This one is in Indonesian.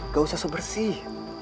gak usah sebersih